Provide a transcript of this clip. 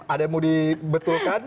ada yang mau dibetulkan